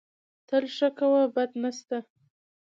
تل ښه کوه، بد نه سته